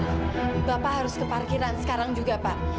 bapak harus ke parkiran sekarang juga pak